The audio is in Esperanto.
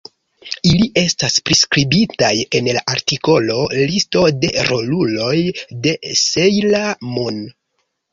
Ili estas priskribitaj en la artikolo Listo de roluloj de "Sejla Mun".